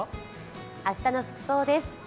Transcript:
明日の服装です。